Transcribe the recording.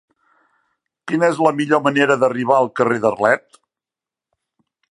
Quina és la millor manera d'arribar al carrer d'Arlet?